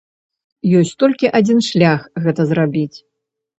Ёсць толькі адзін шлях гэта зрабіць.